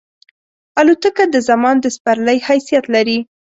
الوتکه د زمان د سپرلۍ حیثیت لري.